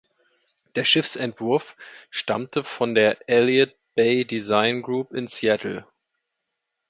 Der Schiffsentwurf stammte von der Elliott Bay Design Group in Seattle.